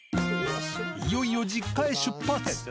いよいよ実家へ出発。